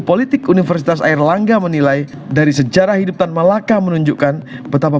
politik universitas airlangga menilai dari sejarah hidup tan malaka menunjukkan betapa